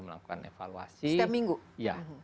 melakukan evaluasi setiap minggu ya